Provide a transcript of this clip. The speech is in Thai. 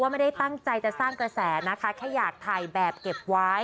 ไม่ได้ตั้งใจจะสร้างกระแสนะคะแค่อยากถ่ายแบบเก็บไว้